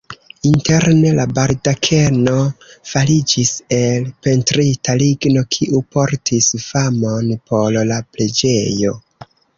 Interne la baldakeno fariĝis el pentrita ligno, kiu portis famon por la preĝejo.